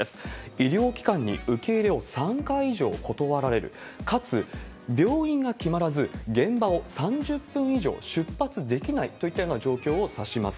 医療機関に受け入れを３回以上断られる、かつ病院が決まらず、現場を３０分以上出発できないといったような状況を指します。